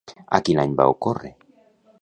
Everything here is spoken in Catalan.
A quin any va ocórrer?